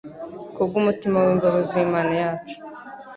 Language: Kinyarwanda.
kubw'umutima w'imbabazi w'Imana yacu.